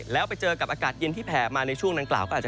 แล้วไปเจอกับอากาศเย็นที่แพลมาในช่วงนั้นกล่าว